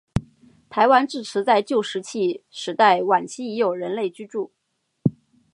台湾至迟在旧石器时代晚期已有人类居住。